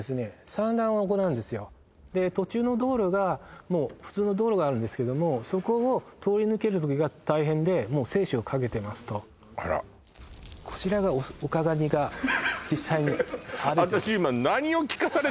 産卵を行うんですよで途中の道路がもう普通の道路があるんですけどもそこを通り抜ける時が大変でもう生死をかけてますとあらこちらがオカガニが実際に歩いている音